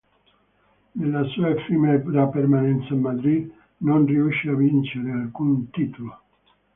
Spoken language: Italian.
Nella sua effimera permanenza a Madrid non riuscì a vincere alcun titolo.